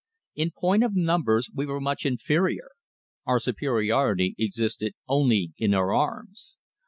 In point of numbers we were much inferior; our superiority existed only in our arms.